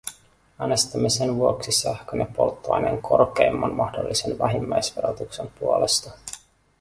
Äänestämme sen vuoksi sähkön ja polttoaineen korkeimman mahdollisen vähimmäisverotuksen puolesta.